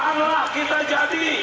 perbedaanlah kita jadi